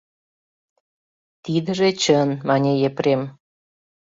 — Тидыже чын, — мане Епрем.